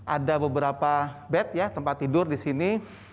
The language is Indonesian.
ada beberapa bed ya tempat tidur di sini